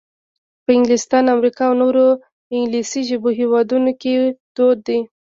په انګلستان، امریکا او نورو انګلیسي ژبو هېوادونو کې دود دی.